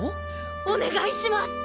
お願いします！